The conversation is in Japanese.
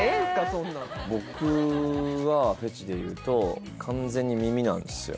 そんなん僕はフェチでいうと完全に耳なんですよ